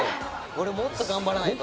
俺もっと頑張らないと。